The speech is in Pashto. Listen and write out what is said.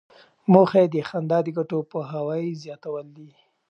موخه یې د خندا د ګټو پوهاوی زیاتول دي.